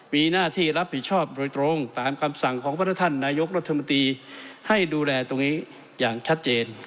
มีหน้าที่รับผิดชอบโดยตรงตามคำสั่งของพระท่านนายกรัฐมนตรีให้ดูแลตรงนี้อย่างชัดเจน